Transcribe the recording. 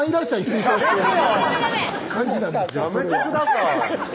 推奨しやめてください